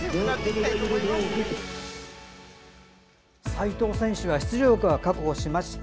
齋藤選手は出場枠は確保しました。